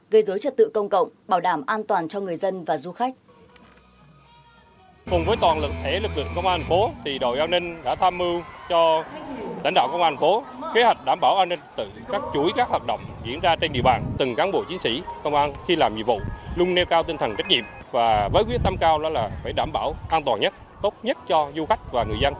gây dối trật tự công cộng bảo đảm an toàn cho người dân và du khách